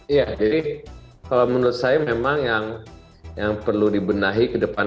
iya jadi kalau menurut saya memang yang perlu dibenahi ke depan